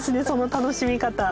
その楽しみ方。